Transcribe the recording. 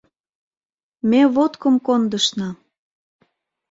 Ме водкым кондышна!